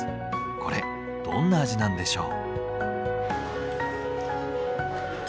これどんな味なんでしょう？